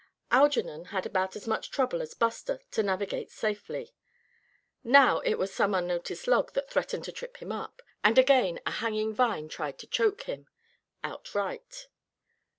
Algernon had about as much trouble as Buster to navigate safely; now it was some unnoticed log that threatened to trip him up, and again a hanging vine tried to choke him outright.